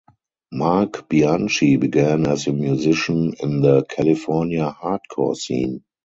Marc Bianchi began as a musician in the California hardcore scene.